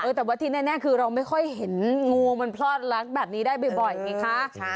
แต่ว่าที่แน่คือเราไม่ค่อยเห็นงูมันพลอดรักแบบนี้ได้บ่อยไงคะ